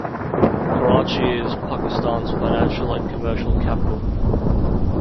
Karachi is Pakistan's financial and commercial capital.